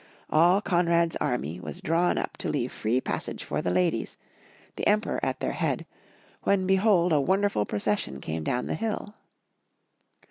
All Konrad's army was drawn up to leave free passage for the ladies, the Emperor at their head, when behold a wonder ful procession came down the hill.